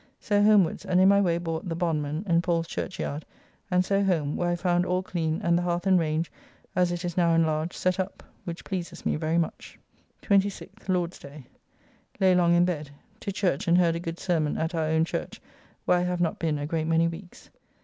So homewards, and in my way bought "The Bondman" in Paul's Churchyard, and so home, where I found all clean, and the hearth and range, as it is now enlarged, set up, which pleases me very much. 26th (Lord's day). Lay long in bed. To church and heard a good sermon at our own church, where I have not been a great many weeks.